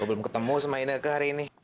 gue belum ketemu sama ineke hari ini